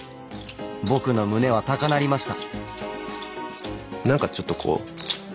僕の胸は高鳴りました。